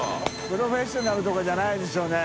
プロフェッショナル」とかじゃないでしょうね？